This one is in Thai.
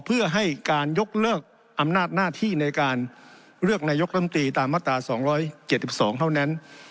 เพื่อให้การยกเลิกอำนาจหน้าที่ในการเลือกนายกรรมตรีตามมาตราสองร้อยเจ็ดสิบสองเท่านั้น